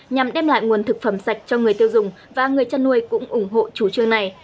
nhằm đem lại nguồn thực phẩm sạch cho người tiêu dùng và người chăn nuôi cũng ủng hộ chủ trương này